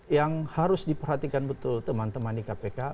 yang harus diperhatikan betul teman teman di kpk